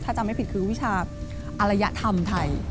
ถ้าจำไม่ผิดคือวิชาอรยธรรมไทย